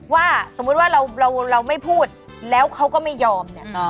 ว่าสมมุติว่าเราไม่พูดแล้วเขาก็ไม่ยอมเนี่ย